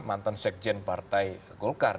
mantan sekjen partai golkar